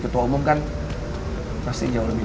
ketua umum kan pasti jauh lebih